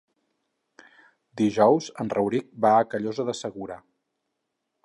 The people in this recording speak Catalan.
Dijous en Rauric va a Callosa de Segura.